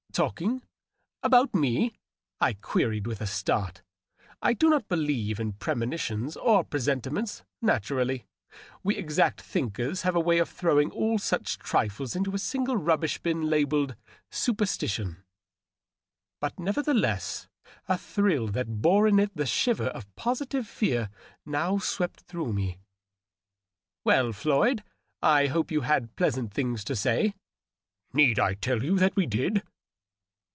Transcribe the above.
"Talking about me?" I queried, with a start. I do not believe in premonitions or presentiments, naturally; we exact thinkers have a way of throwing all such trifles into a single rubbish bin, labelled " super stition." But nevertheless a thrill that bore in it the shiver of positive fear now swept through me. " Well, Floyd, I hope you had pleasant things to say." " Need I tell you that we did